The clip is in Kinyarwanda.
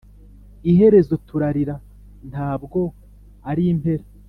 iherezo turarira ntabwo arimpera.